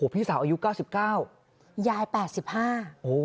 พี่สาวอายุ๙๙